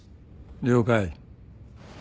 了解。